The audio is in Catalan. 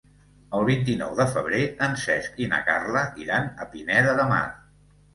El vint-i-nou de febrer en Cesc i na Carla iran a Pineda de Mar.